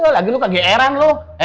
lagi lu kegeeran lu